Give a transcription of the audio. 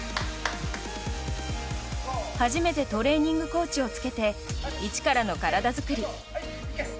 初めてトレーニングコーチをつけて一からの体作り。